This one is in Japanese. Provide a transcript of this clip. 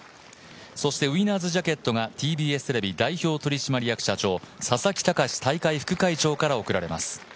そして、ウィナーズジャケットがＴＢＳテレビ代表取締役社長佐々木卓大会副会長から贈られます。